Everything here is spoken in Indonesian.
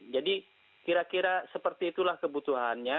jadi kira kira seperti itulah kebutuhannya